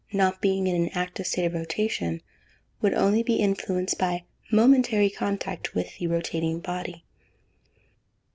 not being in an active state of rotation, would only be influenced by momentary contact with the rotating body.